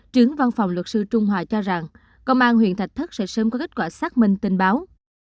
trưởng văn phòng luật sư trung hòa cho rằng công an huyện thạch thất sẽ sớm có kết quả xác minh tình báo